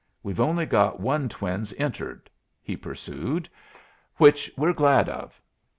We've only got one twins entered," he pursued, "which we're glad of.